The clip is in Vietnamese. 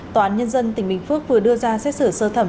tòa án nhân dân tỉnh bình phước vừa đưa ra xét xử sơ thẩm